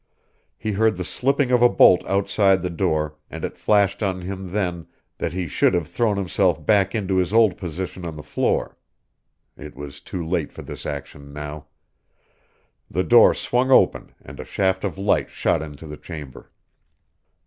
He heard the slipping of a bolt outside the door and it flashed on him then that he should have thrown himself back into his old position on the floor. It was too late for this action now. The door swung open and a shaft of light shot into the chamber.